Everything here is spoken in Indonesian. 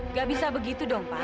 nggak bisa begitu dong pak